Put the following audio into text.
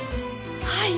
はい。